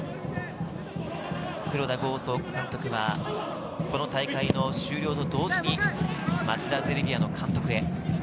黒田剛総監督は、この大会の終了と同時に町田ゼルビアの監督へ。